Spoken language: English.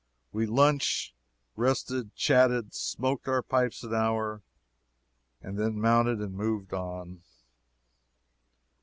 We lunched, rested, chatted, smoked our pipes an hour, and then mounted and moved on.